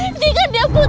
dia tidak mungkin buta